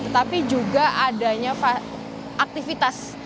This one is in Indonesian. tetapi juga adanya aktivitas